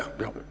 eh pindah kita